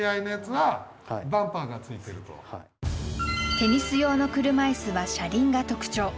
テニス用の車いすは車輪が特徴。